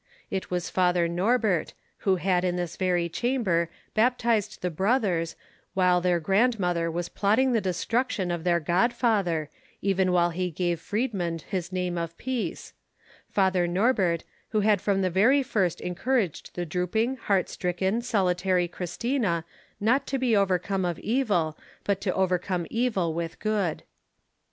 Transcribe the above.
It was Father Norbert, who had in this very chamber baptized the brothers, while their grandmother was plotting the destruction of their godfather, even while he gave Friedmund his name of peace,—Father Norbert, who had from the very first encouraged the drooping, heart stricken, solitary Christina not to be overcome of evil, but to overcome evil with good.